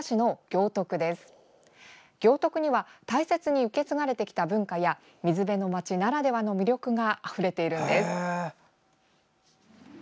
行徳には、大切に受け継がれた文化や、水辺の町ならではの魅力があふれているんです。